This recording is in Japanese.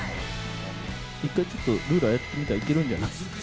一回ちょっとルーラやってみたら行けるんじゃない？